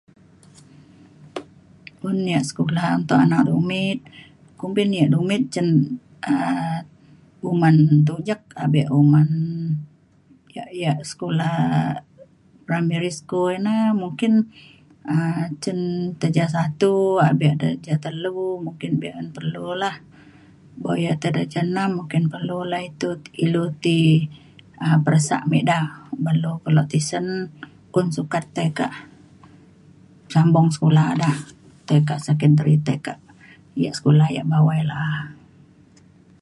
un ia’ sekula untuk anak lumit kumbin ia’ lumit cin um uman tujek abe uman ia’ ia’ sekula primary school ina mungkin um cin darjah satu abe darjah telu mungkin be’un perlu lah. buk ia’ da tai darjah enam mungkin perlu la ilu ti um peresa me ida uban lu kelo tisen un sukat tai kak sambung sekula da tei kak secondary tei kak ia’ sekula ia’ bawai la’a